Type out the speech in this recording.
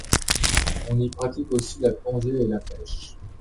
On y pratique aussi la plongée et la pêche.